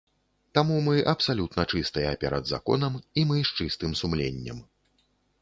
Таму мы абсалютна чыстыя перад законам і мы з чыстым сумленнем.